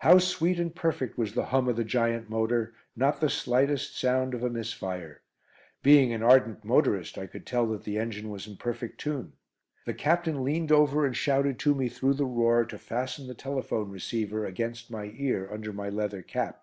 How sweet and perfect was the hum of the giant motor. Not the slightest sound of a misfire. Being an ardent motorist, I could tell that the engine was in perfect tune. The Captain leaned over and shouted to me through the roar to fasten the telephone receiver against my ear under my leather cap.